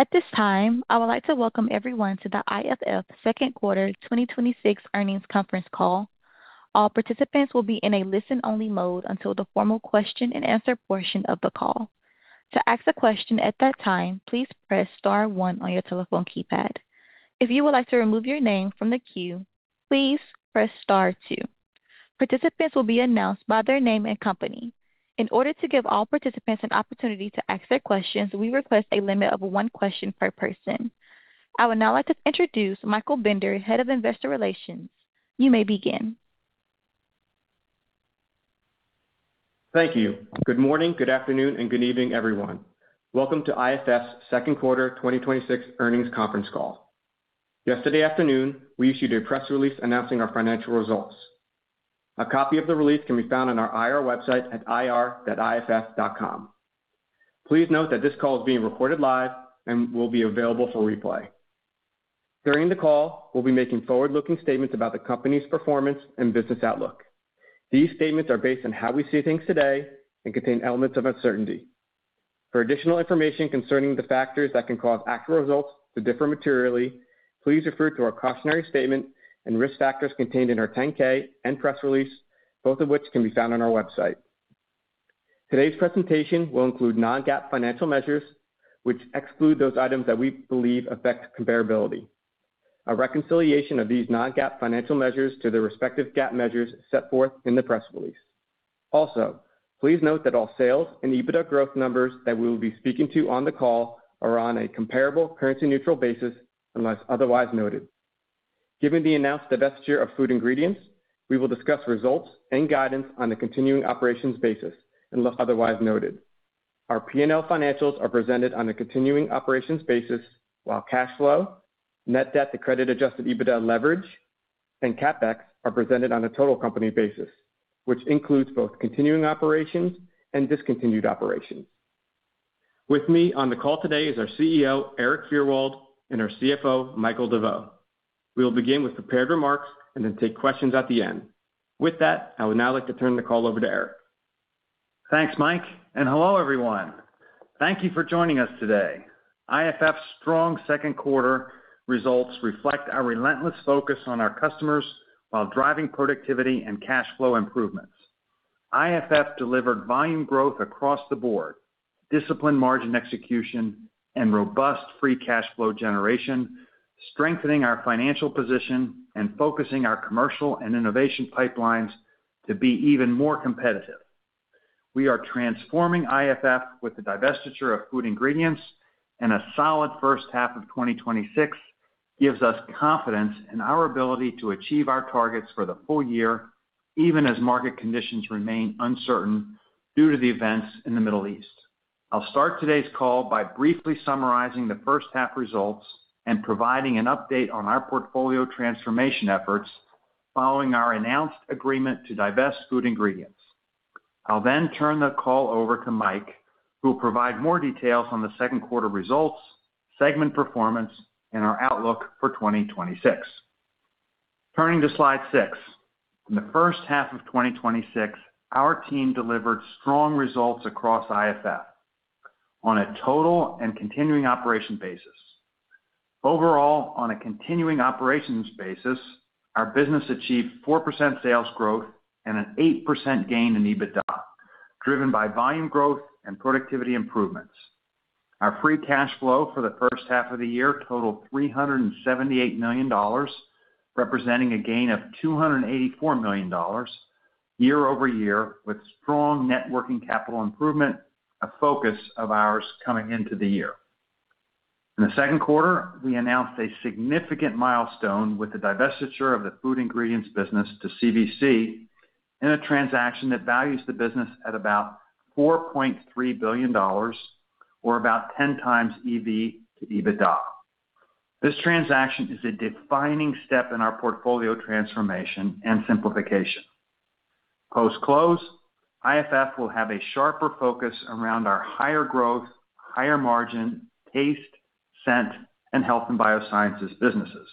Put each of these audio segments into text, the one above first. At this time, I would like to welcome everyone to the IFF Second Quarter 2026 Earnings Conference Call. All participants will be in a listen-only mode until the formal question and answer portion of the call. To ask a question at that time, please press star one on your telephone keypad. If you would like to remove your name from the queue, please press star two. Participants will be announced by their name and company. In order to give all participants an opportunity to ask their questions, we request a limit of one question per person. I would now like to introduce Michael Bender, Head of Investor Relations. You may begin. Thank you. Good morning, good afternoon, and good evening, everyone. Welcome to IFF's Second Quarter 2026 Earnings Conference Call. Yesterday afternoon, we issued a press release announcing our financial results. A copy of the release can be found on our IR website at ir.iff.com. Please note that this call is being recorded live and will be available for replay. During the call, we'll be making forward-looking statements about the company's performance and business outlook. These statements are based on how we see things today and contain elements of uncertainty. For additional information concerning the factors that can cause actual results to differ materially, please refer to our cautionary statement and risk factors contained in our 10-K and press release, both of which can be found on our website. Today's presentation will include non-GAAP financial measures, which exclude those items that we believe affect comparability. A reconciliation of these non-GAAP financial measures to their respective GAAP measures is set forth in the press release. Also, please note that all sales and EBITDA growth numbers that we will be speaking to on the call are on a comparable currency-neutral basis unless otherwise noted. Given the announced divestiture of Food Ingredients, we will discuss results and guidance on a continuing operations basis unless otherwise noted. Our P&L financials are presented on a continuing operations basis, while cash flow, net debt to credit-adjusted EBITDA leverage, and CapEx are presented on a total company basis, which includes both continuing operations and discontinued operations. With me on the call today is our CEO, Erik Fyrwald, and our CFO, Michael DeVeau. We will begin with prepared remarks and then take questions at the end. With that, I would now like to turn the call over to Erik. Thanks, Mike, hello, everyone. Thank you for joining us today. IFF's strong second quarter results reflect our relentless focus on our customers while driving productivity and cash flow improvements. IFF delivered volume growth across the board, disciplined margin execution, and robust free cash flow generation, strengthening our financial position and focusing our commercial and innovation pipelines to be even more competitive. We are transforming IFF with the divestiture of Food Ingredients, and a solid first half of 2026 gives us confidence in our ability to achieve our targets for the full year, even as market conditions remain uncertain due to the events in the Middle East. I'll start today's call by briefly summarizing the first half results and providing an update on our portfolio transformation efforts following our announced agreement to divest Food Ingredients. I'll then turn the call over to Mike, who will provide more details on the second quarter results, segment performance, and our outlook for 2026. Turning to slide six. In the first half of 2026, our team delivered strong results across IFF on a total and continuing operation basis. Overall, on a continuing operations basis, our business achieved 4% sales growth and an 8% gain in EBITDA, driven by volume growth and productivity improvements. Our free cash flow for the first half of the year totaled $378 million, representing a gain of $284 million year-over-year with strong net working capital improvement, a focus of ours coming into the year. In the second quarter, we announced a significant milestone with the divestiture of the Food Ingredients business to CVC in a transaction that values the business at about $4.3 billion or about 10x EV to EBITDA. This transaction is a defining step in our portfolio transformation and simplification. Post-close, IFF will have a sharper focus around our higher growth, higher margin Taste, Scent, and Health & Biosciences businesses.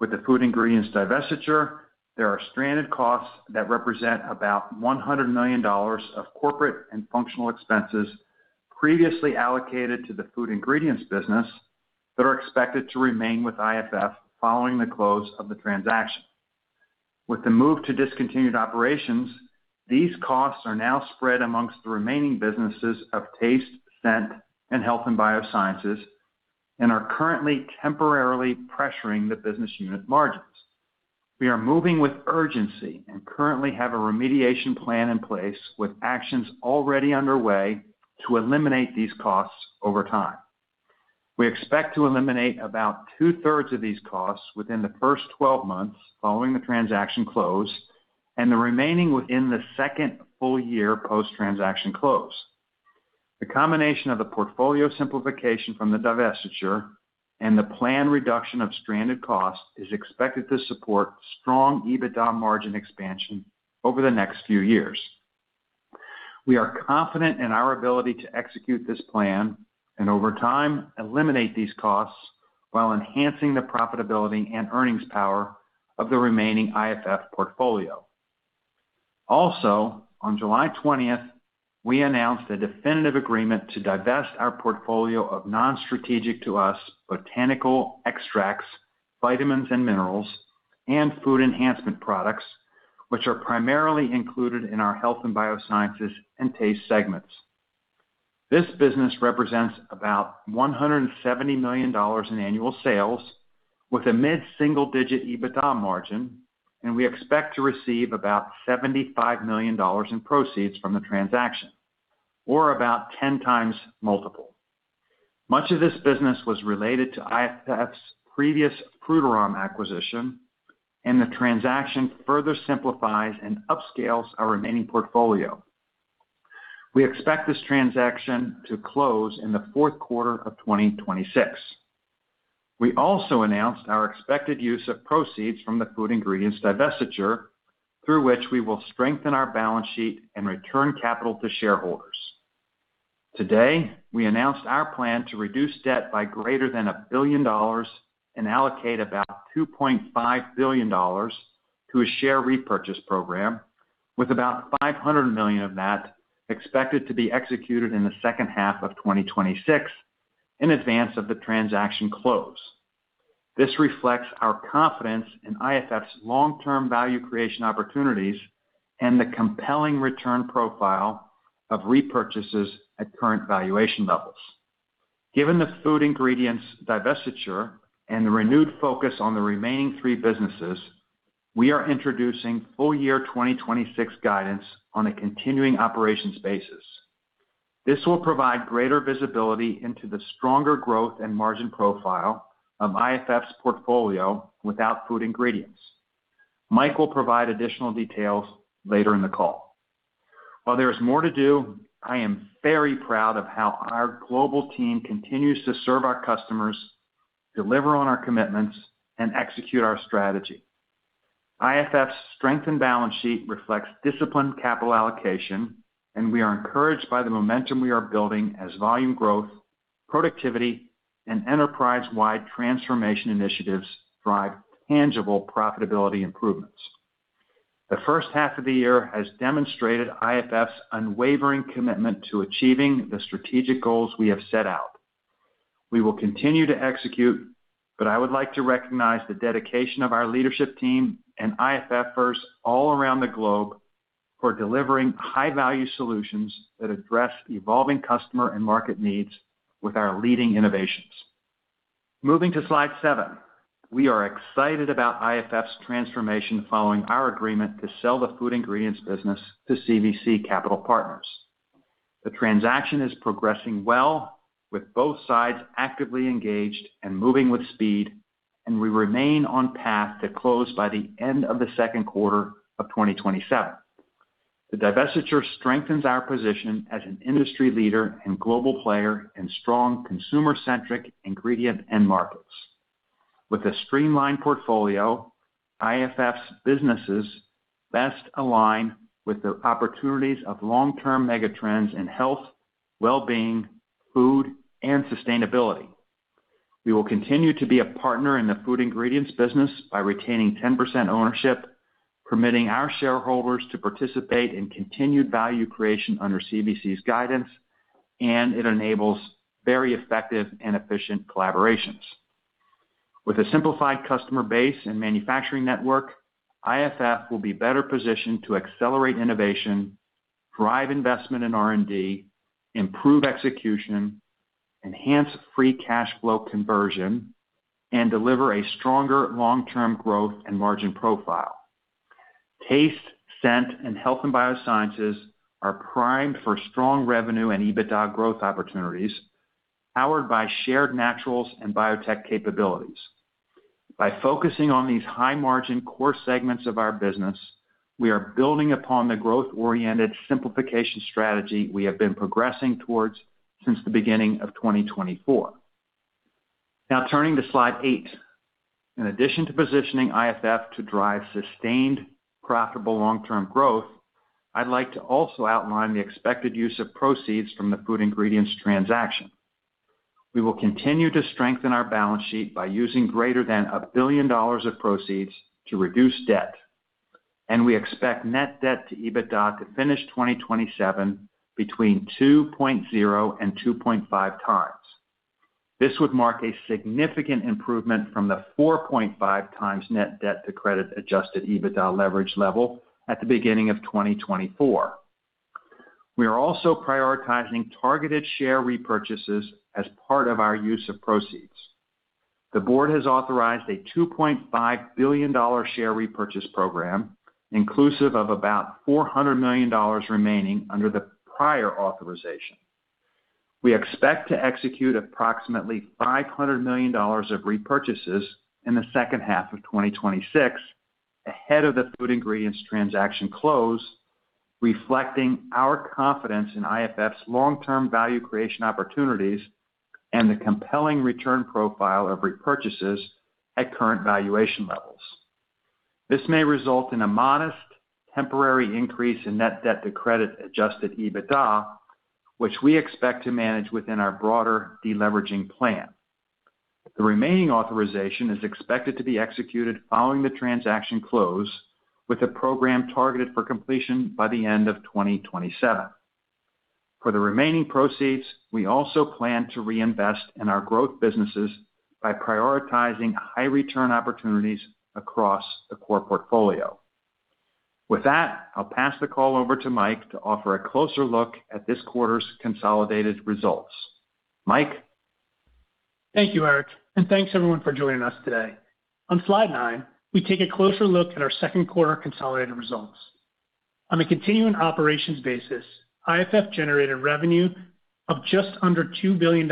With the Food Ingredients divestiture, there are stranded costs that represent about $100 million of corporate and functional expenses previously allocated to the Food Ingredients business that are expected to remain with IFF following the close of the transaction. With the move to discontinued operations, these costs are now spread amongst the remaining businesses of Taste, Scent, and Health & Biosciences and are currently temporarily pressuring the business unit margins. We are moving with urgency and currently have a remediation plan in place with actions already underway to eliminate these costs over time. We expect to eliminate about two-thirds of these costs within the first 12 months following the transaction close and the remaining within the second full year post-transaction close. The combination of the portfolio simplification from the divestiture and the planned reduction of stranded costs is expected to support strong EBITDA margin expansion over the next few years. We are confident in our ability to execute this plan and over time eliminate these costs while enhancing the profitability and earnings power of the remaining IFF portfolio. Also, on July 20th, we announced a definitive agreement to divest our portfolio of non-strategic to us botanical extracts, vitamins and minerals, and food enhancement products, which are primarily included in our Health & Biosciences and Taste segments. This business represents about $170 million in annual sales with a mid-single-digit EBITDA margin, and we expect to receive about $75 million in proceeds from the transaction, or about 10x multiple. Much of this business was related to IFF's previous Frutarom acquisition, and the transaction further simplifies and upscales our remaining portfolio. We expect this transaction to close in the fourth quarter of 2026. We also announced our expected use of proceeds from the Food Ingredients divestiture, through which we will strengthen our balance sheet and return capital to shareholders. Today, we announced our plan to reduce debt by greater than $1 billion and allocate about $2.5 billion to a share repurchase program with about $500 million of that expected to be executed in the second half of 2026 in advance of the transaction close. This reflects our confidence in IFF's long-term value creation opportunities and the compelling return profile of repurchases at current valuation levels. Given the Food Ingredients divestiture and the renewed focus on the remaining three businesses, we are introducing full year 2026 guidance on a continuing operations basis. This will provide greater visibility into the stronger growth and margin profile of IFF's portfolio without Food Ingredients. Mike will provide additional details later in the call. While there is more to do, I am very proud of how our global team continues to serve our customers, deliver on our commitments, and execute our strategy. IFF's strengthened balance sheet reflects disciplined capital allocation, and we are encouraged by the momentum we are building as volume growth, productivity, and enterprise-wide transformation initiatives drive tangible profitability improvements. The first half of the year has demonstrated IFF's unwavering commitment to achieving the strategic goals we have set out. We will continue to execute, but I would like to recognize the dedication of our leadership team and IFFers all around the globe for delivering high-value solutions that address evolving customer and market needs with our leading innovations. Moving to slide seven. We are excited about IFF's transformation following our agreement to sell the Food Ingredients business to CVC Capital Partners. The transaction is progressing well with both sides actively engaged and moving with speed, and we remain on path to close by the end of the second quarter of 2027. The divestiture strengthens our position as an industry leader and global player in strong consumer-centric ingredient end markets. With a streamlined portfolio, IFF's businesses best align with the opportunities of long-term mega trends in health, wellbeing, food, and sustainability. We will continue to be a partner in the Food Ingredients business by retaining 10% ownership, permitting our shareholders to participate in continued value creation under CVC's guidance, and it enables very effective and efficient collaborations. With a simplified customer base and manufacturing network, IFF will be better positioned to accelerate innovation, drive investment in R&D, improve execution, enhance free cash flow conversion, and deliver a stronger long-term growth and margin profile. Taste, Scent, and Health & Biosciences are primed for strong revenue and EBITDA growth opportunities powered by shared naturals and biotech capabilities. By focusing on these high margin core segments of our business, we are building upon the growth-oriented simplification strategy we have been progressing towards since the beginning of 2024. Turning to slide eight. In addition to positioning IFF to drive sustained, profitable long-term growth, I'd like to also outline the expected use of proceeds from the Food Ingredients transaction. We will continue to strengthen our balance sheet by using greater than $1 billion of proceeds to reduce debt, and we expect net debt to EBITDA to finish 2027 between 2.0x and 2.5x. This would mark a significant improvement from the 4.5x net debt to credit-adjusted EBITDA leverage level at the beginning of 2024. We are also prioritizing targeted share repurchases as part of our use of proceeds. The board has authorized a $2.5 billion share repurchase program, inclusive of about $400 million remaining under the prior authorization. We expect to execute approximately $500 million of repurchases in the second half of 2026 ahead of the Food Ingredients transaction close, reflecting our confidence in IFF's long-term value creation opportunities and the compelling return profile of repurchases at current valuation levels. This may result in a modest temporary increase in net debt to credit-adjusted EBITDA, which we expect to manage within our broader deleveraging plan. The remaining authorization is expected to be executed following the transaction close, with the program targeted for completion by the end of 2027. For the remaining proceeds, we also plan to reinvest in our growth businesses by prioritizing high return opportunities across the core portfolio. With that, I'll pass the call over to Mike to offer a closer look at this quarter's consolidated results. Mike? Thank you, Erik, and thanks everyone for joining us today. On slide nine, we take a closer look at our second quarter consolidated results. On a continuing operations basis, IFF generated revenue of just under $2 billion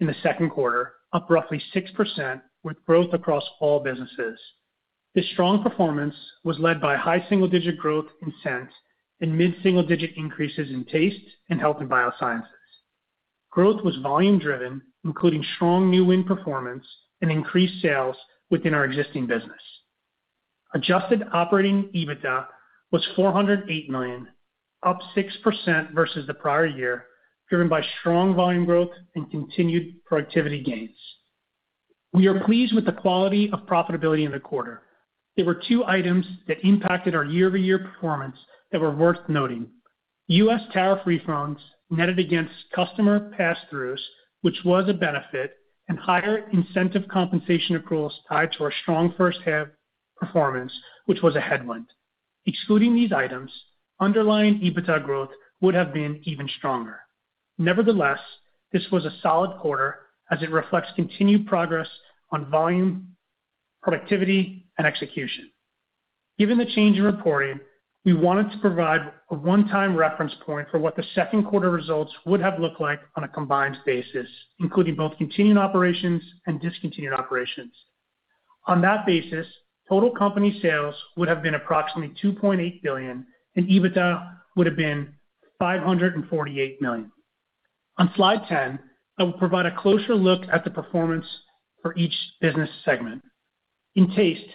in the second quarter, up roughly 6% with growth across all businesses. This strong performance was led by high single-digit growth in Scent and mid-single digit increases in Taste and Health & Biosciences. Growth was volume driven, including strong new win performance and increased sales within our existing business. Adjusted operating EBITDA was $408 million, up 6% versus the prior year, driven by strong volume growth and continued productivity gains. We are pleased with the quality of profitability in the quarter. There were two items that impacted our year-over-year performance that were worth noting. U.S. tariff refunds netted against customer pass-throughs, which was a benefit, and higher incentive compensation accruals tied to our strong first half performance, which was a headwind. Excluding these items, underlying EBITDA growth would have been even stronger. Nevertheless, this was a solid quarter as it reflects continued progress on volume, productivity, and execution. Given the change in reporting, we wanted to provide a one-time reference point for what the second quarter results would have looked like on a combined basis, including both continuing operations and discontinued operations. On that basis, total company sales would have been approximately $2.8 billion, and EBITDA would have been $548 million. On slide 10, I will provide a closer look at the performance for each business segment. In Taste,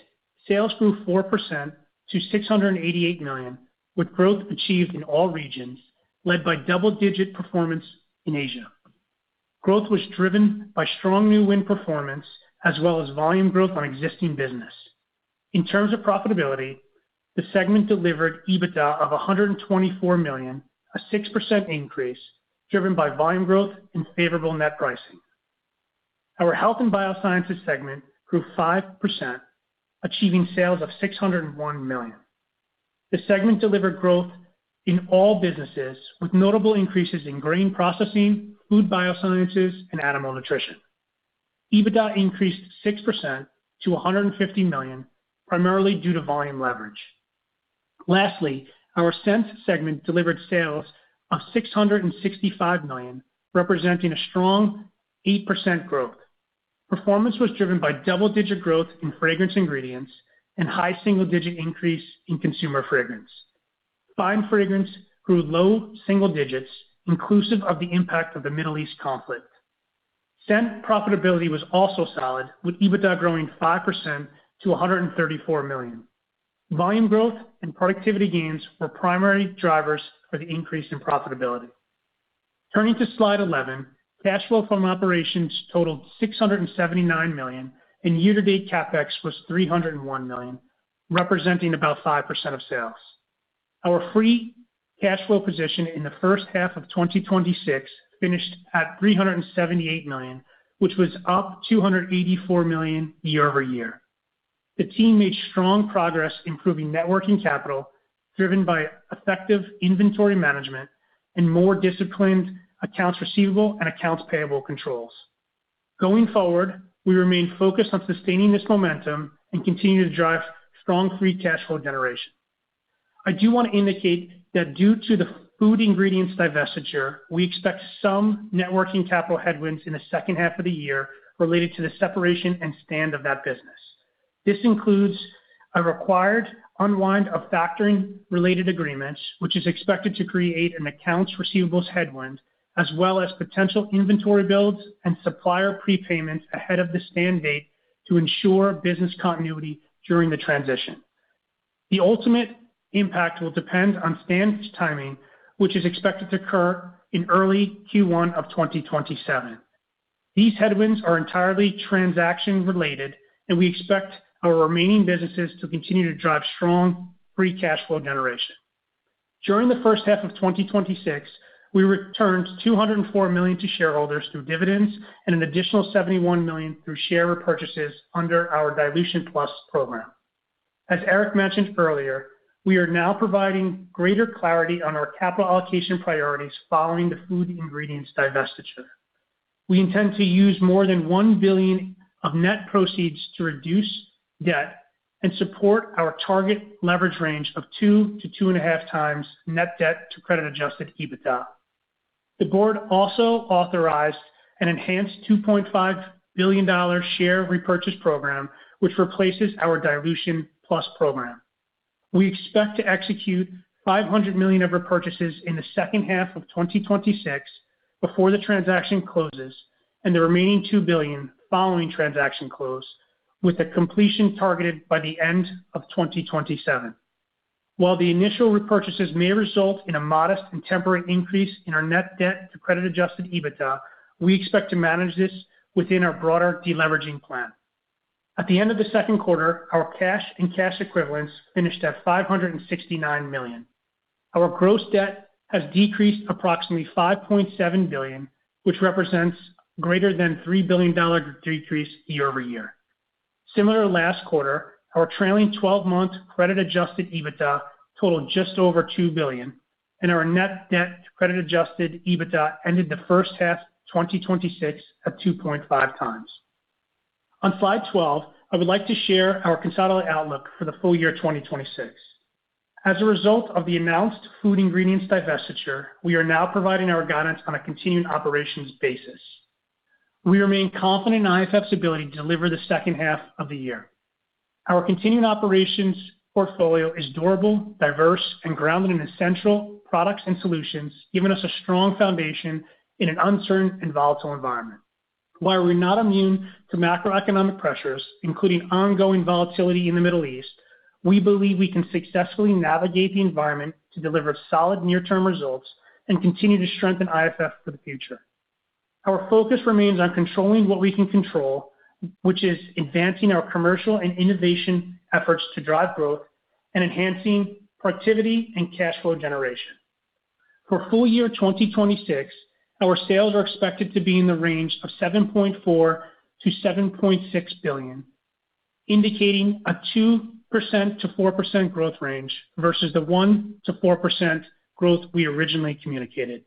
sales grew 4% to $688 million, with growth achieved in all regions, led by double-digit performance in Asia. Growth was driven by strong new win performance as well as volume growth on existing business. In terms of profitability, the segment delivered EBITDA of $124 million, a 6% increase driven by volume growth and favorable net pricing. Our Health & Biosciences segment grew 5%, achieving sales of $601 million. The segment delivered growth in all businesses, with notable increases in Grain Processing, Food Biosciences, and Animal Nutrition. EBITDA increased 6% to $150 million, primarily due to volume leverage. Lastly, our Scent segment delivered sales of $665 million, representing a strong 8% growth. Performance was driven by double-digit growth in Fragrance Ingredients and high single-digit increase in Consumer Fragrances. Fine Fragrances grew low single digits inclusive of the impact of the Middle East conflict. Scent profitability was also solid, with EBITDA growing 5% to $134 million. Volume growth and productivity gains were primary drivers for the increase in profitability. Turning to slide 11, cash flow from operations totaled $679 million, and year-to-date CapEx was $301 million, representing about 5% of sales. Our free cash flow position in the first half of 2026 finished at $378 million, which was up $284 million year-over-year. The team made strong progress improving net working capital driven by effective inventory management and more disciplined accounts receivable and accounts payable controls. Going forward, we remain focused on sustaining this momentum and continue to drive strong free cash flow generation. I do want to indicate that due to the Food Ingredients divestiture, we expect some net working capital headwinds in the second half of the year related to the separation and stand of that business. This includes a required unwind of factoring related agreements, which is expected to create an accounts receivable headwind, as well as potential inventory builds and supplier prepayments ahead of the stand date to ensure business continuity during the transition. The ultimate impact will depend on stand's timing, which is expected to occur in early Q1 of 2027. These headwinds are entirely transaction related, and we expect our remaining businesses to continue to drive strong free cash flow generation. During the first half of 2026, we returned $204 million to shareholders through dividends and an additional $71 million through share repurchases under our Dilution Plus program. As Erik mentioned earlier, we are now providing greater clarity on our capital allocation priorities following the Food Ingredients divestiture. We intend to use more than $1 billion of net proceeds to reduce debt and support our target leverage range of 2x to 2.5x net debt to credit-adjusted EBITDA. The board also authorized an enhanced $2.5 billion share repurchase program, which replaces our Dilution Plus program. We expect to execute $500 million of repurchases in the second half of 2026 before the transaction closes and the remaining $2 billion following transaction close with a completion targeted by the end of 2027. While the initial repurchases may result in a modest and temporary increase in our net debt to credit-adjusted EBITDA, we expect to manage this within our broader deleveraging plan. At the end of the second quarter, our cash and cash equivalents finished at $569 million. Our gross debt has decreased approximately $5.7 billion, which represents greater than a $3 billion decrease year-over-year. Similar to last quarter, our trailing 12-month credit adjusted EBITDA totaled just over $2 billion, and our net debt to credit-adjusted EBITDA ended the first half 2026 at 2.5x. On slide 12, I would like to share our consolidated outlook for the full year 2026. As a result of the announced Food Ingredients divestiture, we are now providing our guidance on a continuing operations basis. We remain confident in IFF's ability to deliver the second half of the year. Our continuing operations portfolio is durable, diverse, and grounded in essential products and solutions, giving us a strong foundation in an uncertain and volatile environment. While we're not immune to macroeconomic pressures, including ongoing volatility in the Middle East, we believe we can successfully navigate the environment to deliver solid near-term results and continue to strengthen IFF for the future. Our focus remains on controlling what we can control, which is advancing our commercial and innovation efforts to drive growth and enhancing productivity and cash flow generation. For full year 2026, our sales are expected to be in the range of $7.4 billion-$7.6 billion, indicating a 2%-4% growth range versus the 1%-4% growth we originally communicated.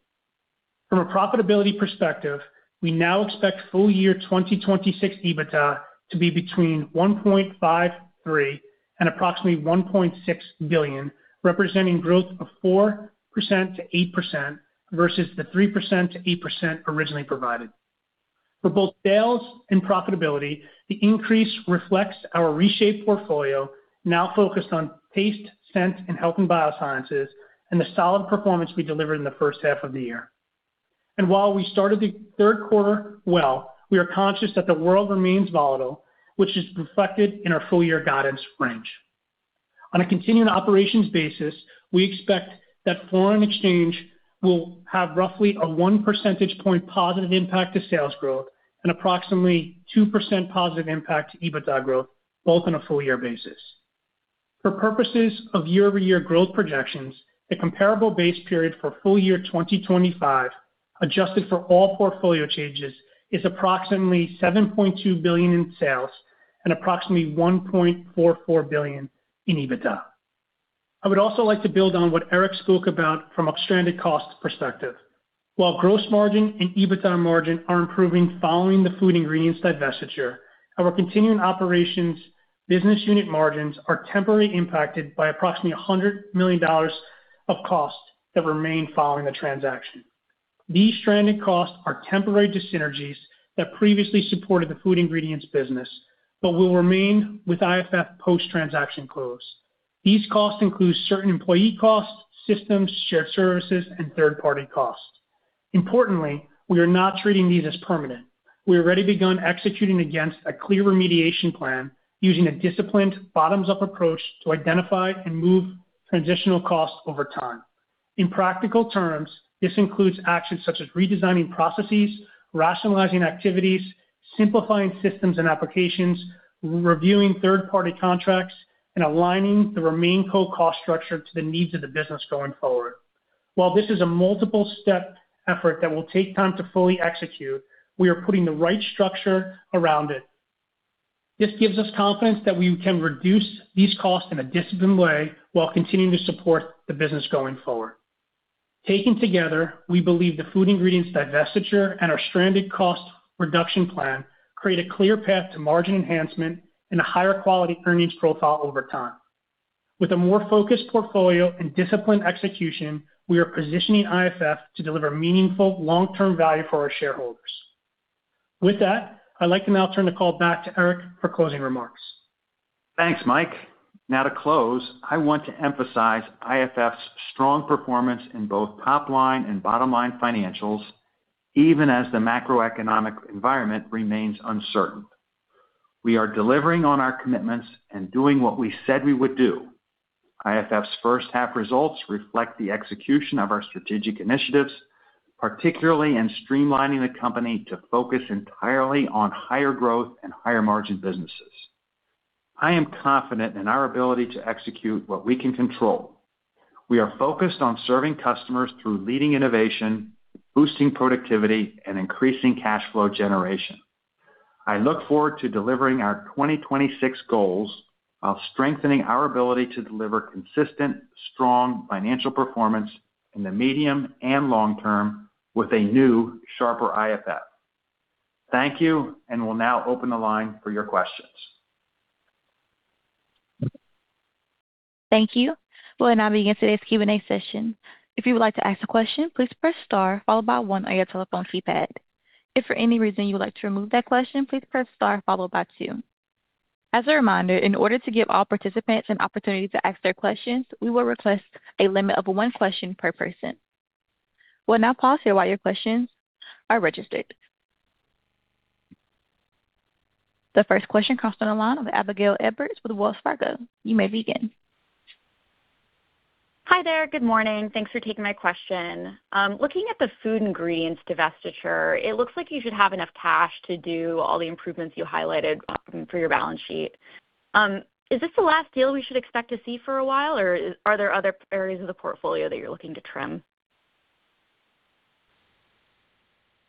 From a profitability perspective, we now expect full year 2026 EBITDA to be between $1.53 billion and approximately $1.6 billion, representing growth of 4%-8% versus the 3%-8% originally provided. For both sales and profitability, the increase reflects our reshaped portfolio, now focused on Taste, Scent, and Health & Biosciences, and the solid performance we delivered in the first half of the year. While we started the third quarter well, we are conscious that the world remains volatile, which is reflected in our full-year guidance range. On a continuing operations basis, we expect that foreign exchange will have roughly a one percentage point positive impact to sales growth and approximately 2% positive impact to EBITDA growth, both on a full-year basis. For purposes of year-over-year growth projections, the comparable base period for full year 2025, adjusted for all portfolio changes, is approximately $7.2 billion in sales and approximately $1.44 billion in EBITDA. I would also like to build on what Erik spoke about from a stranded cost perspective. While gross margin and EBITDA margin are improving following the Food Ingredients divestiture, our continuing operations business unit margins are temporarily impacted by approximately $100 million of costs that remain following the transaction. These stranded costs are temporary dyssynergies that previously supported the Food Ingredients business but will remain with IFF post-transaction close. These costs include certain employee costs, systems, shared services, and third-party costs. Importantly, we are not treating these as permanent. We have already begun executing against a clear remediation plan using a disciplined bottoms-up approach to identify and move transitional costs over time. In practical terms, this includes actions such as redesigning processes, rationalizing activities, simplifying systems and applications, reviewing third-party contracts, and aligning the RemainCo cost structure to the needs of the business going forward. While this is a multiple-step effort that will take time to fully execute, we are putting the right structure around it. This gives us confidence that we can reduce these costs in a disciplined way while continuing to support the business going forward. Taken together, we believe the Food Ingredients divestiture and our stranded cost reduction plan create a clear path to margin enhancement and a higher quality earnings profile over time. With a more focused portfolio and disciplined execution, we are positioning IFF to deliver meaningful long-term value for our shareholders. With that, I'd like to now turn the call back to Erik for closing remarks. Thanks, Mike. To close, I want to emphasize IFF's strong performance in both top-line and bottom-line financials, even as the macroeconomic environment remains uncertain. We are delivering on our commitments and doing what we said we would do. IFF's first half results reflect the execution of our strategic initiatives, particularly in streamlining the company to focus entirely on higher growth and higher margin businesses. I am confident in our ability to execute what we can control. We are focused on serving customers through leading innovation, boosting productivity, and increasing cash flow generation. I look forward to delivering our 2026 goals while strengthening our ability to deliver consistent, strong financial performance in the medium and long term with a new, sharper IFF. Thank you. We'll now open the line for your questions. Thank you. We'll now begin today's Q&A session. If you would like to ask a question, please press star followed by one on your telephone keypad. If for any reason you would like to remove that question, please press star followed by two. As a reminder, in order to give all participants an opportunity to ask their questions, we will request a limit of one question per person. We'll now pause here while your questions are registered. The first question comes from the line of Abigail Edwards with Wells Fargo. You may begin. Hi there. Good morning. Thanks for taking my question. Looking at the Food Ingredients divestiture, it looks like you should have enough cash to do all the improvements you highlighted for your balance sheet. Is this the last deal we should expect to see for a while, or are there other areas of the portfolio that you're looking to trim?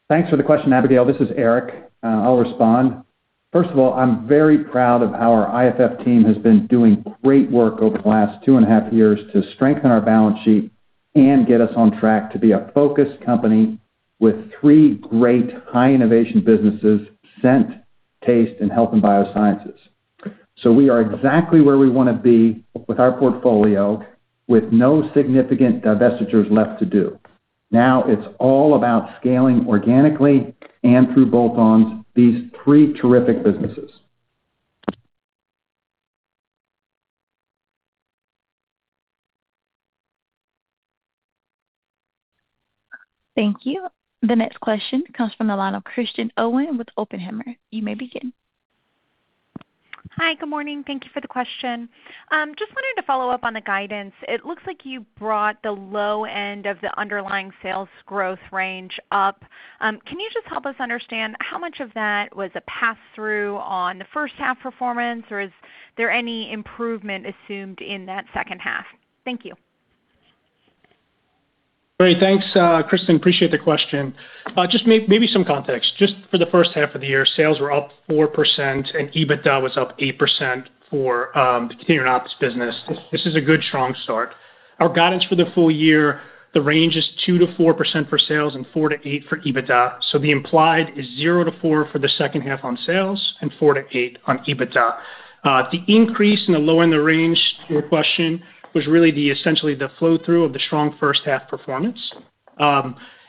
Thanks for the question, Abigail. This is Erik. I'll respond. First of all, I'm very proud of how our IFF team has been doing great work over the last two and a half years to strengthen our balance sheet and get us on track to be a focused company with three great high-innovation businesses: Scent, Taste, and Health & Biosciences. We are exactly where we want to be with our portfolio, with no significant divestitures left to do. Now it's all about scaling organically and through bolt-ons, these three terrific businesses. Thank you. The next question comes from the line of Kristen Owen with Oppenheimer. You may begin. Hi, good morning. Thank you for the question. Wanted to follow up on the guidance. It looks like you brought the low end of the underlying sales growth range up. Can you just help us understand how much of that was a pass-through on the first half performance, or is there any improvement assumed in that second half? Thank you. Great. Thanks, Kristen. Appreciate the question. Maybe some context. For the first half of the year, sales were up 4% and EBITDA was up 8% for the continuing ops business. This is a good, strong start. Our guidance for the full year, the range is 2%-4% for sales and 4%-8% for EBITDA. The implied is 0-4% for the second half on sales and 4%-8% on EBITDA. The increase in the low end of range, to your question, was really essentially the flow-through of the strong first half performance.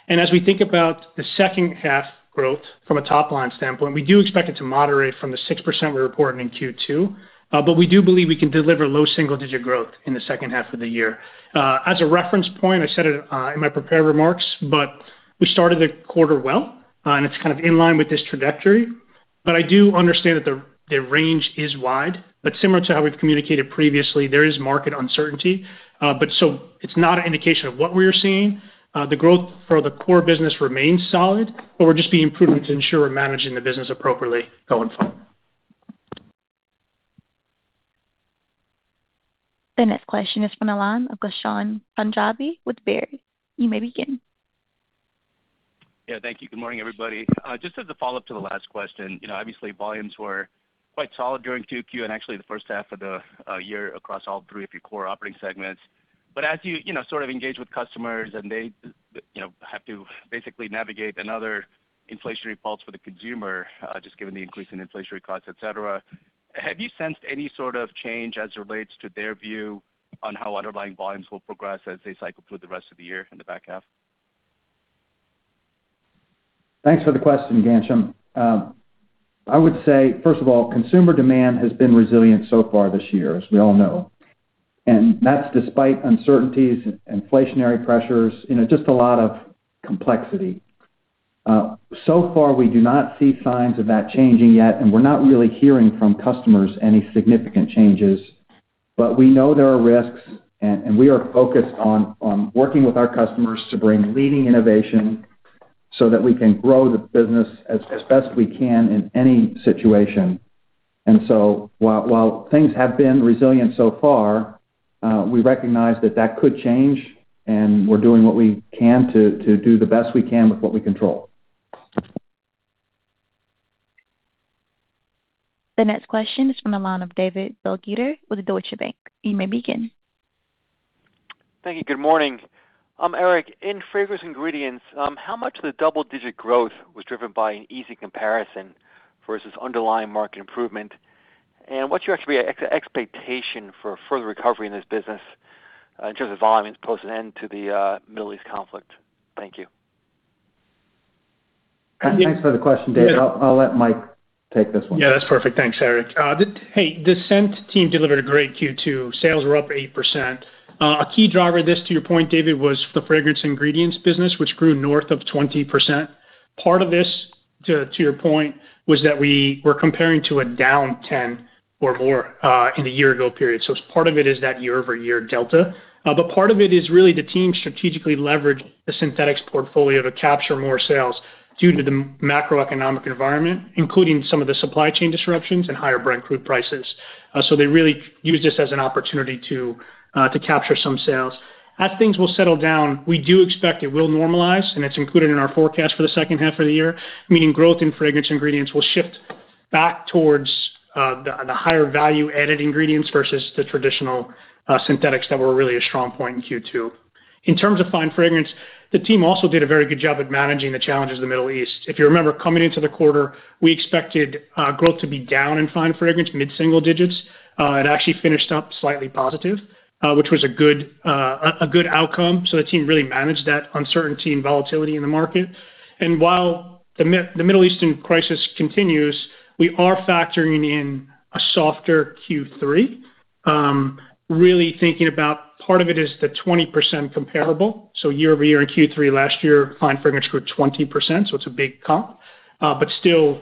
As we think about the second half growth from a top-line standpoint, we do expect it to moderate from the 6% we reported in Q2. We do believe we can deliver low single-digit growth in the second half of the year. As a reference point, I said it in my prepared remarks, we started the quarter well, and it's kind of in line with this trajectory, I do understand that the range is wide. Similar to how we've communicated previously, there is market uncertainty. It's not an indication of what we are seeing. The growth for the core business remains solid, we're just being prudent to ensure we're managing the business appropriately going forward. The next question is from the line of Ghansham Panjabi with Baird. You may begin. Thank you. Good morning, everybody. Just as a follow-up to the last question. Obviously, volumes were quite solid during Q2 and actually the first half of the year across all three of your core operating segments. As you sort of engage with customers and they have to basically navigate another inflationary pulse for the consumer, just given the increase in inflationary costs, et cetera, have you sensed any sort of change as it relates to their view on how underlying volumes will progress as they cycle through the rest of the year in the back half? Thanks for the question, Ghansham. I would say, first of all, consumer demand has been resilient so far this year, as we all know, and that's despite uncertainties, inflationary pressures, just a lot of complexity. So far, we do not see signs of that changing yet, and we're not really hearing from customers any significant changes. We know there are risks, and we are focused on working with our customers to bring leading innovation so that we can grow the business as best we can in any situation. While things have been resilient so far, we recognize that that could change, and we're doing what we can to do the best we can with what we control. The next question is from the line of David Begleiter with Deutsche Bank. You may begin. Thank you. Good morning. Erik, in Fragrance Ingredients, how much of the double-digit growth was driven by an easy comparison versus underlying market improvement? What's your expectation for further recovery in this business in terms of volumes post an end to the Middle East conflict? Thank you. Thanks for the question, David. I'll let Mike take this one. Yeah, that's perfect. Thanks, Erik. Hey, the Scent team delivered a great Q2. Sales were up 8%. A key driver of this, to your point, David, was the Fragrance Ingredients business, which grew north of 20%. Part of this, to your point, was that we were comparing to a down 10 or more in the year-ago period. Part of it is that year-over-year delta. Part of it is really the team strategically leveraged the synthetics portfolio to capture more sales due to the macroeconomic environment, including some of the supply chain disruptions and higher Brent Crude prices. They really used this as an opportunity to capture some sales. As things will settle down, we do expect it will normalize, and it's included in our forecast for the second half of the year, meaning growth in Fragrance Ingredients will shift back towards the higher value-added ingredients versus the traditional synthetics that were really a strong point in Q2. In terms of Fine Fragrances, the team also did a very good job at managing the challenges of the Middle East. If you remember, coming into the quarter, we expected growth to be down in Fine Fragrances, mid-single digits. It actually finished up slightly positive, which was a good outcome. The team really managed that uncertainty and volatility in the market. While the Middle Eastern crisis continues, we are factoring in a softer Q3, really thinking about part of it is the 20% comparable. Year-over-year in Q3 last year, Fine Fragrances grew 20%, so it's a big comp. Still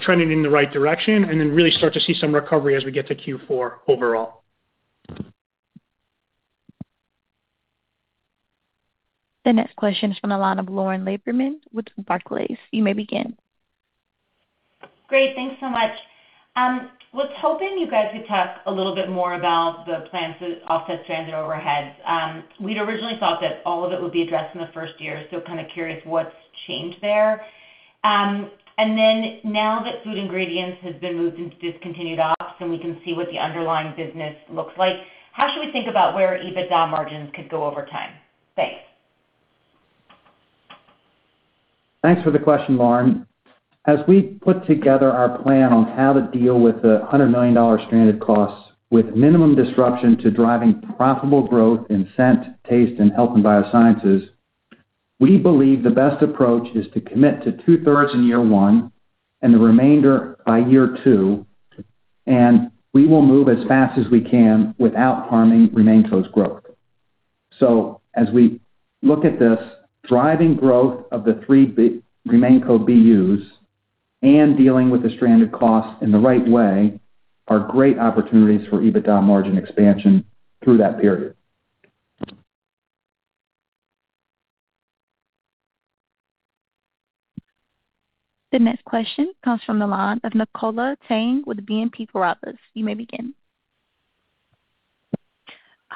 trending in the right direction, really start to see some recovery as we get to Q4 overall. The next question is from the line of Lauren Lieberman with Barclays. You may begin. Great. Thanks so much. Was hoping you guys could talk a little bit more about the plans to offset stranded overheads. We'd originally thought that all of it would be addressed in the first year, kind of curious what's changed there. Now that Food Ingredients has been moved into discontinued ops and we can see what the underlying business looks like, how should we think about where EBITDA margins could go over time? Thanks. Thanks for the question, Lauren. As we put together our plan on how to deal with the $100 million stranded costs with minimum disruption to driving profitable growth in Scent, Taste, and Health & Biosciences, we believe the best approach is to commit to two-thirds in year one and the remainder by year two, we will move as fast as we can without harming RemainCo's growth. As we look at this, driving growth of the three RemainCo BUs and dealing with the stranded costs in the right way are great opportunities for EBITDA margin expansion through that period. The next question comes from the line of Nicola Tang with BNP Paribas. You may begin.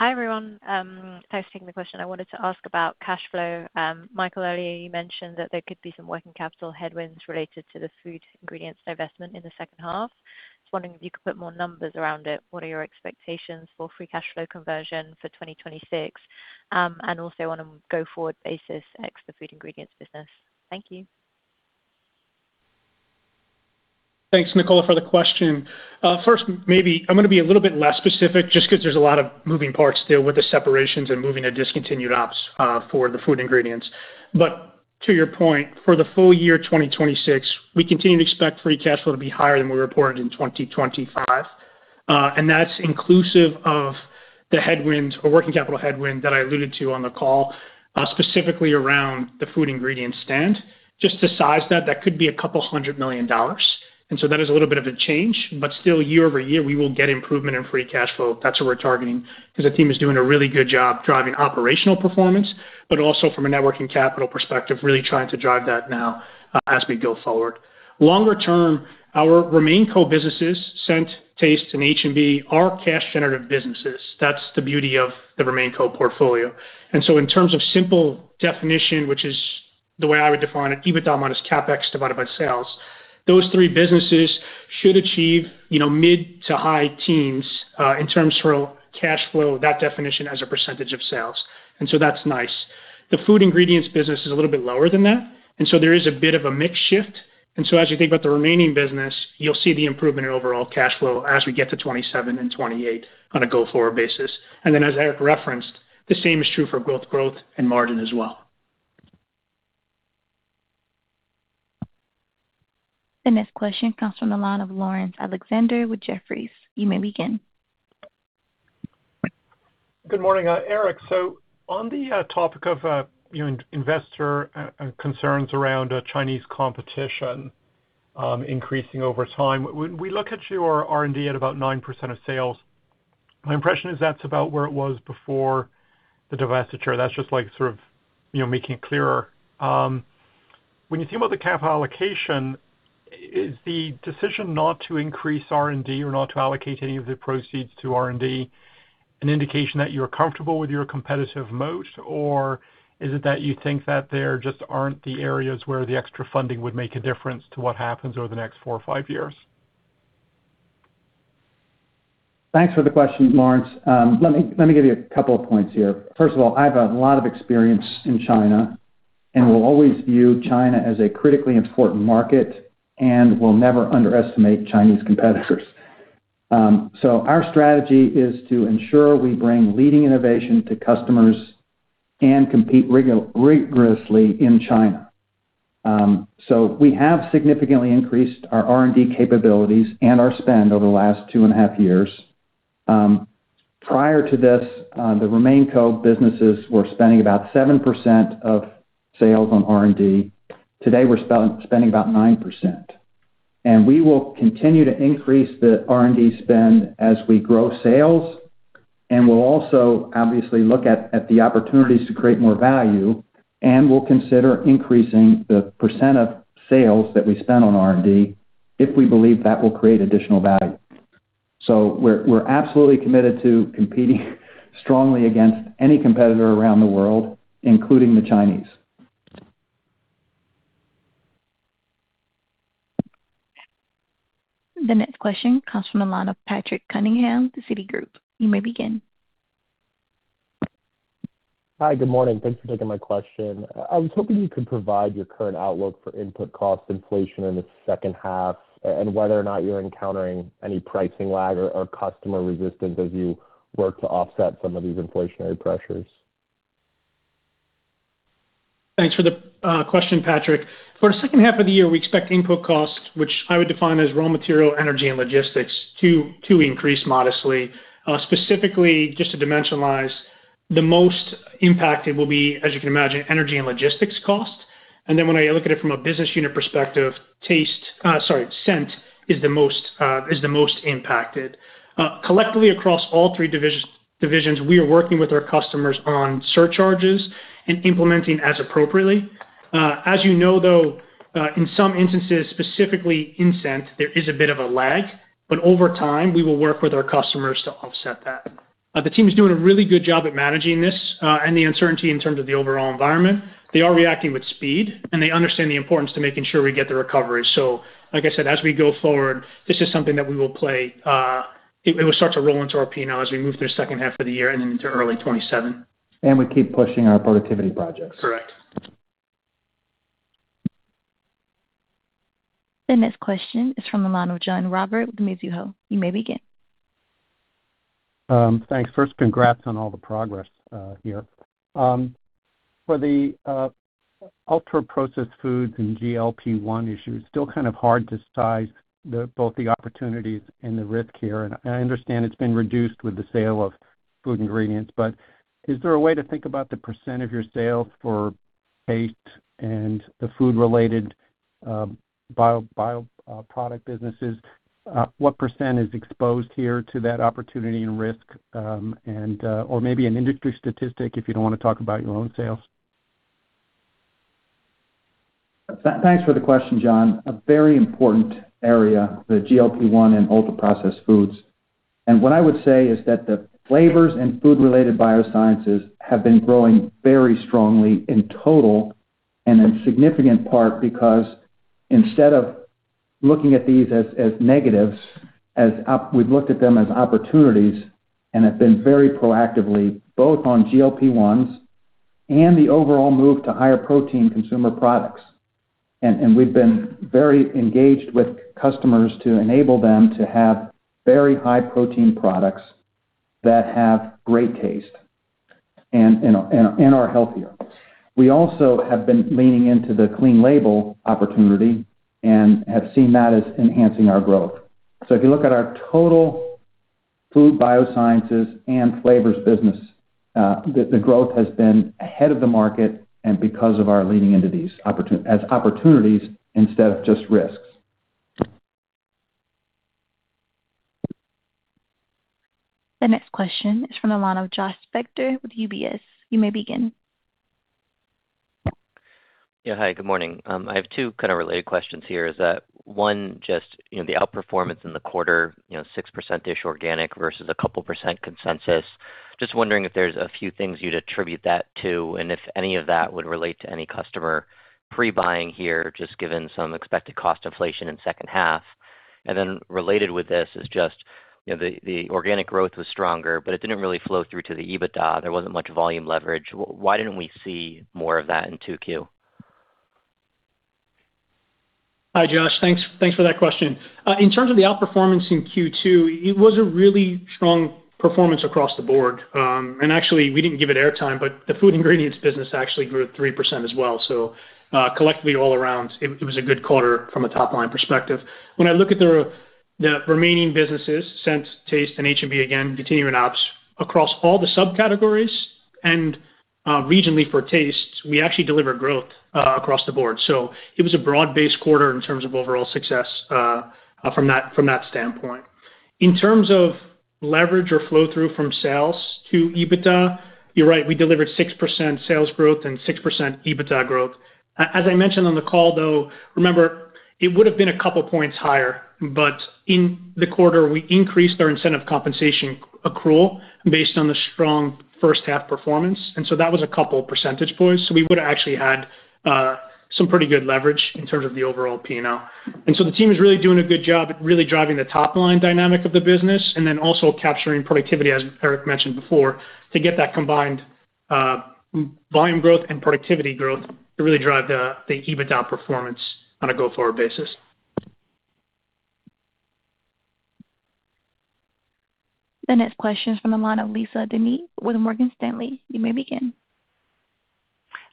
Hi, everyone. Thanks for taking the question. I wanted to ask about cash flow. Michael, earlier you mentioned that there could be some working capital headwinds related to the Food Ingredients divestment in the second half. Just wondering if you could put more numbers around it. What are your expectations for free cash flow conversion for 2026? Also on a go-forward basis ex the Food Ingredients business. Thank you. Thanks, Nicola, for the question. First, maybe I'm gonna be a little bit less specific just because there's a lot of moving parts there with the separations and moving to discontinued ops for the Food Ingredients. To your point, for the full year 2026, we continue to expect free cash flow to be higher than we reported in 2025. That's inclusive of the headwinds or working capital headwind that I alluded to on the call, specifically around the Food Ingredients stand. Just to size that could be a couple hundred million dollars. So that is a little bit of a change, but still year-over-year, we will get improvement in free cash flow. That's what we're targeting because the team is doing a really good job driving operational performance, but also from a net working capital perspective, really trying to drive that now as we go forward. Longer term, our RemainCo businesses, Scent, Taste, and H&B are cash generative businesses. That's the beauty of the RemainCo portfolio. So in terms of simple definition, which is the way I would define it, EBITDA minus CapEx divided by sales. Those three businesses should achieve mid to high teens, in terms for cash flow, that definition as a percentage of sales. So that's nice. The Food Ingredients business is a little bit lower than that, so there is a bit of a mix shift. So, as you think about the remaining business, you'll see the improvement in overall cash flow as we get to 2027 and 2028 on a go-forward basis. Then as Erik referenced, the same is true for both growth and margin as well. The next question comes from the line of Laurence Alexander with Jefferies. You may begin. Good morning, Erik. On the topic of investor concerns around Chinese competition increasing over time, when we look at your R&D at about 9% of sales, my impression is that's about where it was before the divestiture. That's just making it clearer. When you think about the cap allocation, is the decision not to increase R&D or not to allocate any of the proceeds to R&D an indication that you're comfortable with your competitive moat? Or is it that you think that there just aren't the areas where the extra funding would make a difference to what happens over the next four or five years? Thanks for the question, Laurence. Let me give you a couple of points here. First of all, I have a lot of experience in China, and we'll always view China as a critically important market and will never underestimate Chinese competitors. Our strategy is to ensure we bring leading innovation to customers and compete rigorously in China. We have significantly increased our R&D capabilities and our spend over the last two and a half years. Prior to this, the RemainCo businesses were spending about 7% of sales on R&D. Today, we're spending about 9%. We will continue to increase the R&D spend as we grow sales. We'll also obviously look at the opportunities to create more value, and we'll consider increasing the percent of sales that we spend on R&D if we believe that will create additional value. We're absolutely committed to competing strongly against any competitor around the world, including the Chinese. The next question comes from the line of Patrick Cunningham, Citigroup. You may begin. Hi. Good morning. Thanks for taking my question. I was hoping you could provide your current outlook for input cost inflation in the second half, and whether or not you're encountering any pricing lag or customer resistance as you work to offset some of these inflationary pressures. Thanks for the question, Patrick. For the second half of the year, we expect input costs, which I would define as raw material, energy, and logistics, to increase modestly. Specifically, just to dimensionalize, the most impacted will be, as you can imagine, energy and logistics costs. When I look at it from a business unit perspective, Scent is the most impacted. Collectively, across all three divisions, we are working with our customers on surcharges and implementing as appropriately. As you know, though, in some instances, specifically in Scent, there is a bit of a lag. Over time, we will work with our customers to offset that. The team is doing a really good job at managing this and the uncertainty in terms of the overall environment. They are reacting with speed, and they understand the importance to making sure we get the recovery. Like I said, as we go forward, this is something that it will start to roll into our P&L as we move through second half of the year and then into early 2027. We keep pushing our productivity projects. Correct. The next question is from the line of John Roberts with Mizuho. You may begin. Thanks. First, congrats on all the progress here. For the ultra-processed foods and GLP-1 issues, still kind of hard to size both the opportunities and the risk here. I understand it's been reduced with the sale of Food Ingredients, but is there a way to think about the percent of your sales for Taste and the food-related bioproduct businesses? What percent is exposed here to that opportunity and risk? Or maybe an industry statistic if you don't want to talk about your own sales. Thanks for the question, John. A very important area, the GLP-1 and ultra-processed foods. What I would say is that the flavors and food-related biosciences have been growing very strongly in total and in significant part because instead of looking at these as negatives, as we've looked at them as opportunities and have been very proactively, both on GLP-1s and the overall move to higher protein consumer products. We've been very engaged with customers to enable them to have very high protein products that have great taste and are healthier. We also have been leaning into the clean label opportunity and have seen that as enhancing our growth. If you look at our total Food Biosciences and flavors business, the growth has been ahead of the market and because of our leaning into these as opportunities instead of just risks. The next question is from the line of Josh Spector with UBS. You may begin. Hi, good morning. I have two kind of related questions here is that, one, just the outperformance in the quarter, 6% organic versus a couple percent consensus. Just wondering if there's a few things you'd attribute that to, and if any of that would relate to any customer pre-buying here, just given some expected cost inflation in second half. Related with this is just the organic growth was stronger, but it didn't really flow through to the EBITDA. There wasn't much volume leverage. Why didn't we see more of that in 2Q? Hi, Josh. Thanks for that question. In terms of the outperformance in Q2, it was a really strong performance across the board. We didn't give it airtime, but the Food Ingredients business actually grew 3% as well. Collectively all around, it was a good quarter from a top-line perspective. When I look at the remaining businesses, Scent, Taste, and H&B, again, continuing ops across all the subcategories and regionally for Taste, we actually delivered growth across the board. It was a broad-based quarter in terms of overall success from that standpoint. In terms of leverage or flow-through from sales to EBITDA, you're right, we delivered 6% sales growth and 6% EBITDA growth. As I mentioned on the call, though, remember, it would have been a couple points higher, but in the quarter, we increased our incentive compensation accrual based on the strong first half performance. That was a couple percentage points. We would have actually had some pretty good leverage in terms of the overall P&L. The team is really doing a good job at really driving the top-line dynamic of the business and then also capturing productivity, as Erik mentioned before, to get that combined volume growth and productivity growth to really drive the EBITDA performance on a go-forward basis. The next question is from the line of Lisa De Neve with Morgan Stanley. You may begin.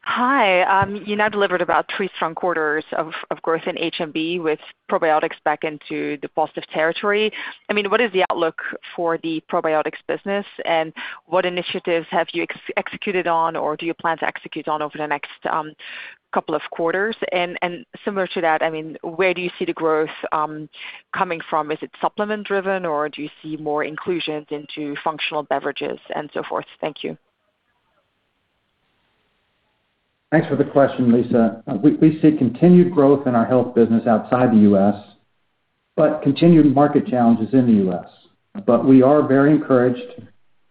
Hi. You now delivered about three strong quarters of growth in H&B with probiotics back into the positive territory. What is the outlook for the probiotics business, and what initiatives have you executed on or do you plan to execute on over the next couple of quarters? Similar to that, where do you see the growth coming from? Is it supplement driven, or do you see more inclusions into functional beverages and so forth? Thank you. Thanks for the question, Lisa. We see continued growth in our health business outside the U.S., but continued market challenges in the U.S. We are very encouraged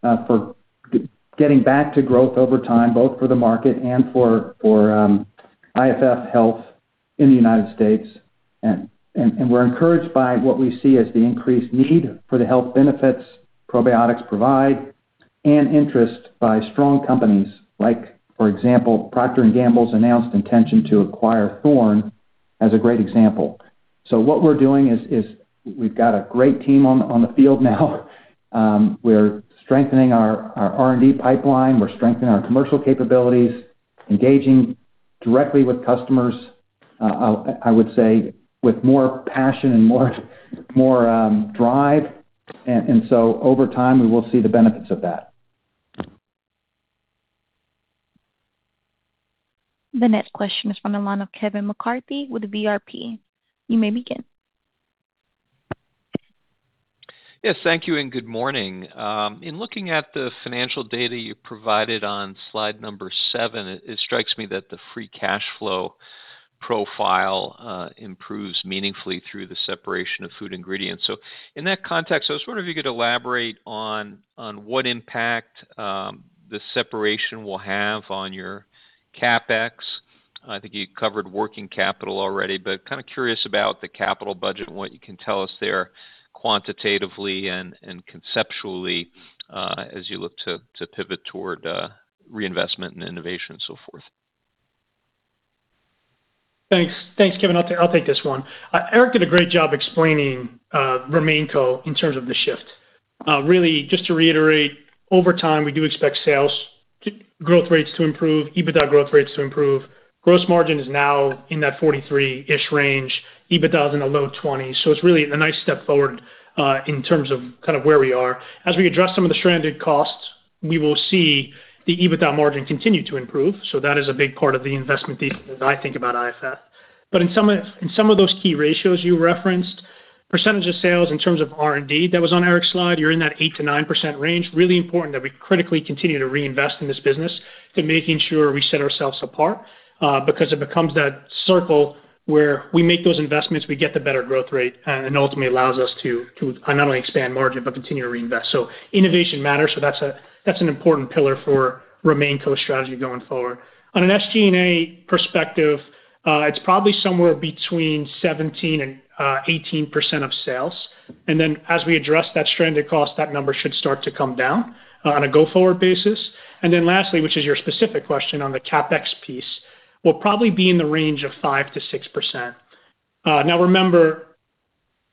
for getting back to growth over time, both for the market and for IFF Health in the United States. We're encouraged by what we see as the increased need for the health benefits probiotics provide and interest by strong companies like, for example, Procter & Gamble's announced intention to acquire Thorne as a great example. What we're doing is we've got a great team on the field now. We're strengthening our R&D pipeline, we're strengthening our commercial capabilities, engaging directly with customers, I would say with more passion and more drive. Over time, we will see the benefits of that. The next question is from the line of Kevin McCarthy with VRP. You may begin. Yes, thank you, and good morning. In looking at the financial data you provided on slide number seven, it strikes me that the free cash flow profile improves meaningfully through the separation of Food Ingredients. In that context, I was wondering if you could elaborate on what impact the separation will have on your CapEx. I think you covered working capital already, but kind of curious about the capital budget and what you can tell us there quantitatively and conceptually, as you look to pivot toward reinvestment and innovation and so forth. Thanks. Kevin, I'll take this one. Erik did a great job explaining RemainCo in terms of the shift. Really just to reiterate, over time, we do expect sales growth rates to improve, EBITDA growth rates to improve. Gross margin is now in that 43-ish range, EBITDA is in the low 20's. It's really a nice step forward, in terms of where we are. As we address some of the stranded costs, we will see the EBITDA margin continue to improve, so that is a big part of the investment thesis as I think about IFF. In some of those key ratios you referenced, percentage of sales in terms of R&D, that was on Erik's slide, you're in that 8%-9% range. Really important that we critically continue to reinvest in this business to making sure we set ourselves apart. It becomes that circle where we make those investments, we get the better growth rate, and ultimately allows us to not only expand margin, but continue to reinvest. Innovation matters, that's an important pillar for RemainCo strategy going forward. On an SG&A perspective, it's probably somewhere between 17% and 18% of sales. As we address that stranded cost, that number should start to come down on a go-forward basis. Lastly, which is your specific question on the CapEx piece, we'll probably be in the range of 5%-6%. Now remember,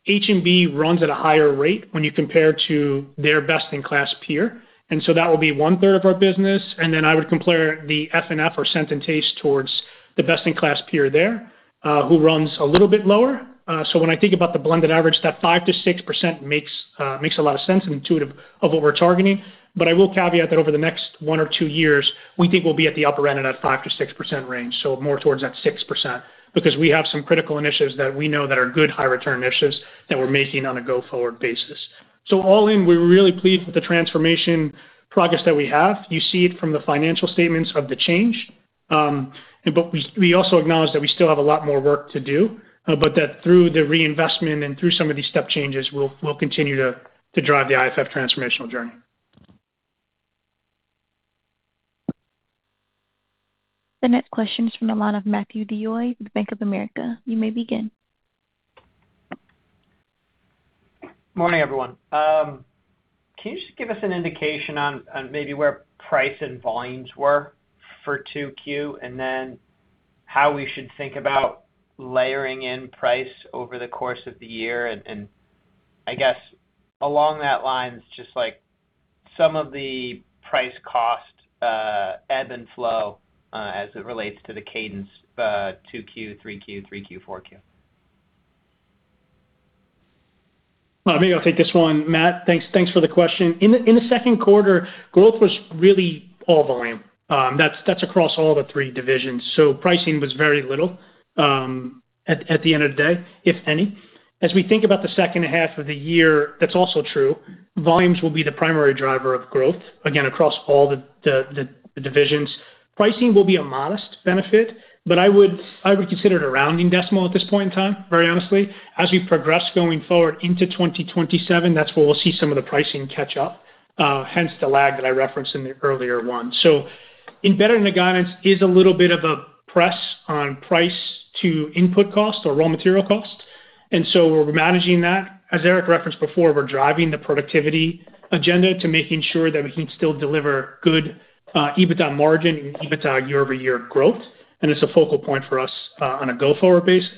H&B runs at a higher rate when you compare to their best-in-class peer, and so that will be one-third of our business. I would compare the F&F or Scent and Taste towards the best-in-class peer there, who runs a little bit lower. When I think about the blended average, that 5%-6% makes a lot of sense and intuitive of what we're targeting. I will caveat that over the next one or two years, we think we'll be at the upper end of that 5%-6% range, so more towards that 6%, because we have some critical initiatives that we know that are good high return initiatives that we're making on a go-forward basis. All in, we're really pleased with the transformation progress that we have. You see it from the financial statements of the change. We also acknowledge that we still have a lot more work to do, but that through the reinvestment and through some of these step changes, we'll continue to drive the IFF transformational journey. The next question is from the line of Matthew DeYoe with Bank of America. You may begin. Morning, everyone. Can you just give us an indication on maybe where price and volumes were for 2Q? How we should think about layering in price over the course of the year? I guess along that lines, just like some of the price cost, ebb and flow, as it relates to the cadence, 2Q, 3Q, 4Q. Maybe I'll take this one, Matt. Thanks for the question. In the second quarter, growth was really all volume. That's across all the three divisions. Pricing was very little, at the end of the day, if any. As we think about the second half of the year, that's also true. Volumes will be the primary driver of growth, again, across all the divisions. Pricing will be a modest benefit, but I would consider it a rounding decimal at this point in time, very honestly. As we progress going forward into 2027, that's where we'll see some of the pricing catch up, hence the lag that I referenced in the earlier one. Embedded in the guidance is a little bit of a press on price to input cost or raw material cost, we're managing that. As Erik referenced before, we're driving the productivity agenda to making sure that we can still deliver good EBITDA margin and EBITDA year-over-year growth. It's a focal point for us on a go-forward basis.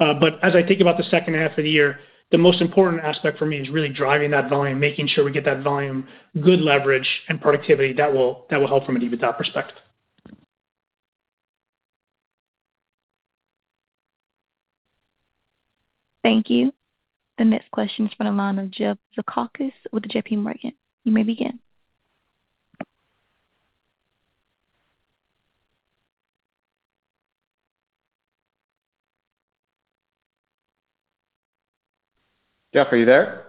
As I think about the second half of the year, the most important aspect for me is really driving that volume, making sure we get that volume, good leverage, and productivity that will help from an EBITDA perspective. Thank you. The next question is from the line of Jeff Zekauskas with JPMorgan. You may begin. Jeff, are you there?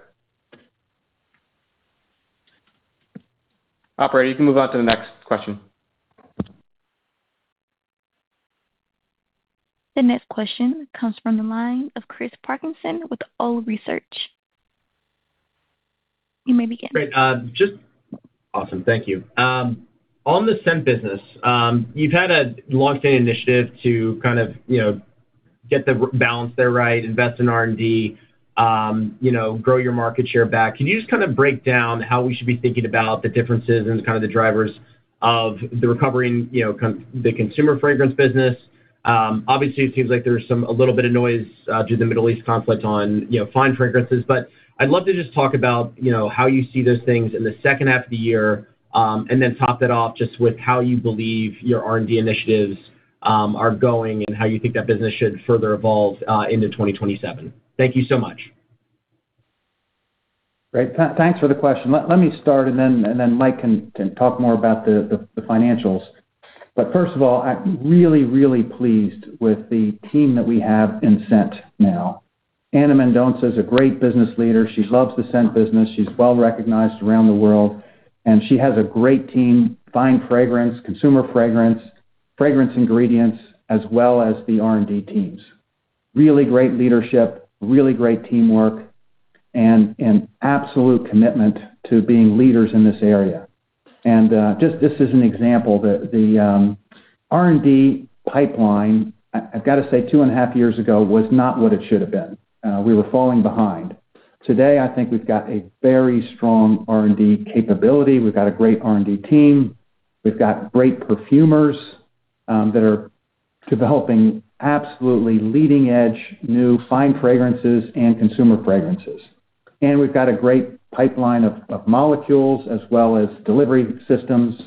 Operator, you can move on to the next question. The next question comes from the line of Chris Parkinson with Wolfe Research. You may begin. Great. Awesome. Thank you. On the Scent business, you've had a longstanding initiative to kind of get the balance there right, invest in R&D, grow your market share back. Can you just break down how we should be thinking about the differences and kind of the drivers of the recovering the Consumer Fragrances business? Obviously, it seems like there's a little bit of noise due to the Middle East conflict on Fine Fragrances. I'd love to just talk about how you see those things in the second half of the year and then top that off just with how you believe your R&D initiatives are going, and how you think that business should further evolve into 2027. Thank you so much. Great. Thanks for the question. Let me start, and then Mike can talk more about the financials. First of all, I'm really, really pleased with the team that we have in Scent now. Ana Mendonça is a great business leader. She loves the Scent business. She's well-recognized around the world, and she has a great team, Fine Fragrance, Consumer Fragrances, Fragrance Ingredients, as well as the R&D teams. Really great leadership, really great teamwork, and an absolute commitment to being leaders in this area. Just as an example, the R&D pipeline, I've got to say, two and a half years ago, was not what it should have been. We were falling behind. Today, I think we've got a very strong R&D capability. We've got a great R&D team. We've got great perfumers that are developing absolutely leading-edge, new Fine Fragrances and Consumer Fragrances. We've got a great pipeline of molecules as well as delivery systems.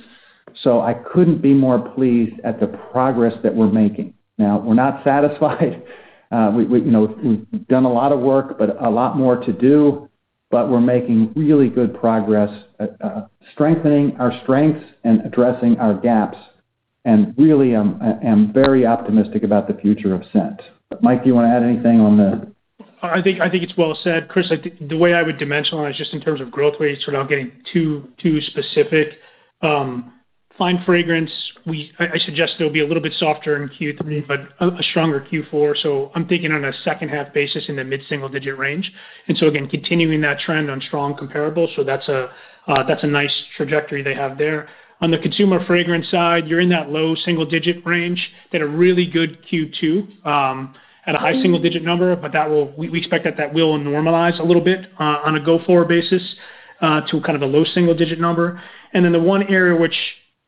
I couldn't be more pleased at the progress that we're making. Now, we're not satisfied. We've done a lot of work, but a lot more to do, but we're making really good progress at strengthening our strengths and addressing our gaps, and really am very optimistic about the future of Scent. Mike, do you want to add anything on the I think it's well said. Chris, I think the way I would dimensionalize, just in terms of growth rates, without getting too specific. Fine Fragrance, I suggest they'll be a little bit softer in Q3, but a stronger Q4. I'm thinking on a second half basis in the mid-single digit range. Again, continuing that trend on strong comparables. That's a nice trajectory they have there. On the Consumer Fragrances side, you're in that low single digit range. They had a really good Q2 at a high single digit number, but we expect that will normalize a little bit on a go-forward basis to a low single digit number. The one area which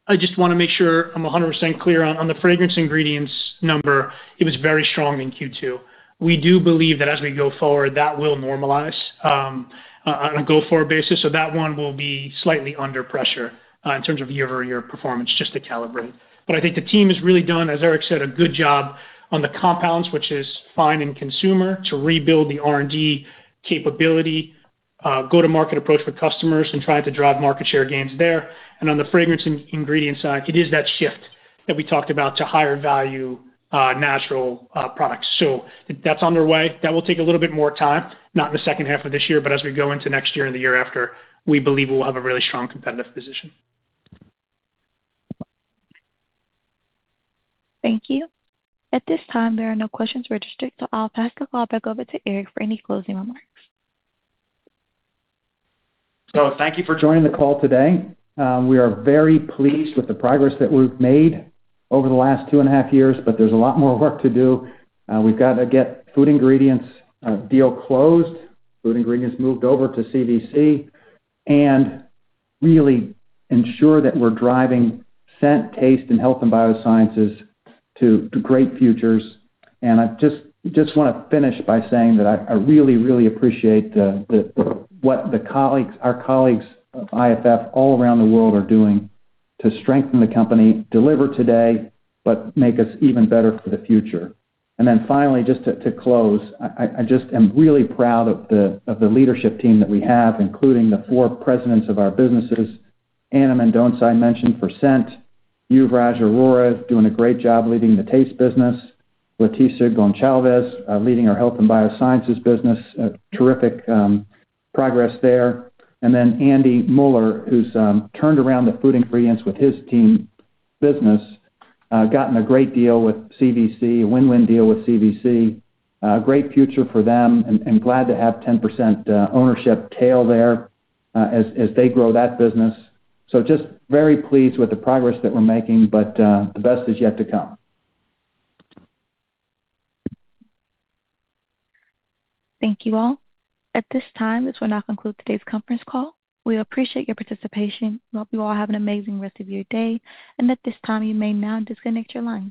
I just want to make sure I'm 100% clear on the Fragrance Ingredients number, it was very strong in Q2. We do believe that as we go forward, that will normalize on a go-forward basis. That one will be slightly under pressure in terms of year-over-year performance, just to calibrate. I think the team has really done, as Erik said, a good job on the compounds, which is fine in consumer, to rebuild the R&D capability, go-to-market approach for customers, and trying to drive market share gains there. On the Fragrance Ingredients side, it is that shift that we talked about to higher value natural products. That's underway. That will take a little bit more time, not in the second half of this year, but as we go into next year and the year after, we believe we will have a really strong competitive position. Thank you. At this time, there are no questions registered, so I'll pass the call back over to Erik for any closing remarks. Thank you for joining the call today. We are very pleased with the progress that we've made over the last two and a half years, but there's a lot more work to do. We've got to get Food Ingredients deal closed, Food Ingredients moved over to CVC, and really ensure that we're driving Scent, Taste, and Health & Biosciences to great futures. I just want to finish by saying that I really, really appreciate what our colleagues of IFF all around the world are doing to strengthen the company, deliver today, but make us even better for the future. Finally, just to close, I just am really proud of the leadership team that we have, including the four presidents of our businesses. Ana Mendonça, I mentioned for Scent. Yuvraj Arora doing a great job leading the Taste business. Leticia Gonçalves leading our Health & Biosciences business. Terrific progress there. Andy Muller, who's turned around the Food Ingredients with his team business, gotten a great deal with CVC, a win-win deal with CVC. A great future for them, and glad to have 10% ownership tail there as they grow that business. Just very pleased with the progress that we're making, but the best is yet to come. Thank you all. At this time, this will now conclude today's conference call. We appreciate your participation. We hope you all have an amazing rest of your day. At this time, you may now disconnect your lines.